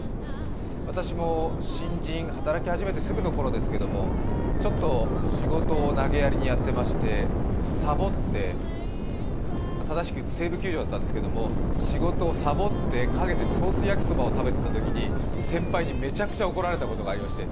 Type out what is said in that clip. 私も新人、働き始めてすぐの頃ですけどちょっと仕事を投げやりにやってましてサボって、正しく言うと西武球場だったんですけど、仕事をサボって陰でソースや生そばを食べてたときに先輩にめちゃくちゃ怒られたことがあって